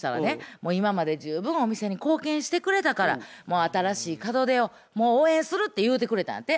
「もう今まで十分お店に貢献してくれたから新しい門出を応援する」って言うてくれたんやて。